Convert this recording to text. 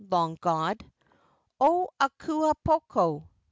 [long god] O Akua poko!